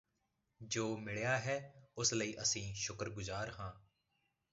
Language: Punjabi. ਜੋ ਮਿਲਿਆ ਹੈ ਉਸ ਲਈ ਅਸੀਂ ਸ਼ੁਕਰਗੁਜ਼ਾਰ ਹਾਂ